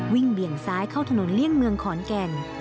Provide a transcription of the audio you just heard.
เบี่ยงซ้ายเข้าถนนเลี่ยงเมืองขอนแก่น